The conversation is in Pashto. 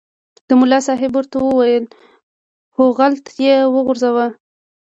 ملا صاحب ورته وویل هوغلته یې وغورځوه.